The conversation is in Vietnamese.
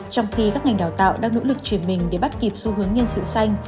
trong khi các ngành đào tạo đang nỗ lực chuyển mình để bắt kịp xu hướng nhân sự xanh